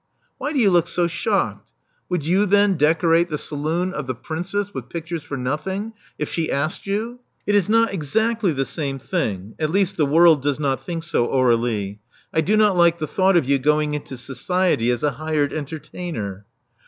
Why do you look so shocked? Would you, then, decorate the saloon of the Princess with pictures for nothing, if she asked you?" It is not exactly the same thing — at least the world does not think so, Aur^lie. I do not like the thought of you going into society as a hired entertainer."